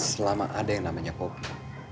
selama ada yang namanya kopi